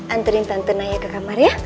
anturin tante naya ke kamar ya